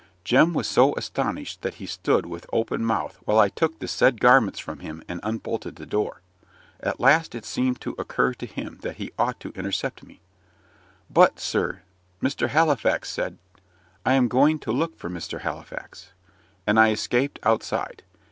Jem was so astonished, that he stood with open mouth while I took the said garments from him, and unbolted the door. At last it seemed to occur to him that he ought to intercept me. "But, sir, Mr. Halifax said " "I am going to look for Mr. Halifax." And I escaped outside.